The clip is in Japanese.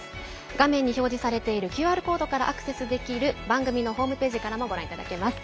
画面に表示されているＱＲコードからアクセスできる番組のホームページからもご覧いただけます。